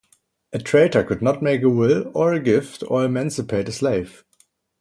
A traitor could not make a will or a gift or emancipate a slave.